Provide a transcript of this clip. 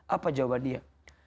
apa jawaban dia